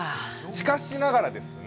しかしながらですね